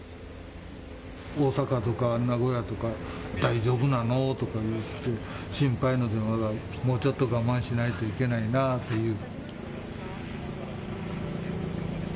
大阪とか名古屋とか、大丈夫なの？とか言って、心配の電話が、もうちょっと我慢しないといけないなという。